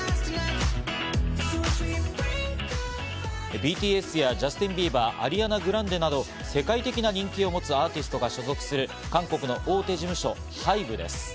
ＢＴＳやジャスティン・ビーバー、アリアナ・グランデなど世界的な人気を持つアーティストが所属する韓国の大手事務所・ＨＹＢＥです。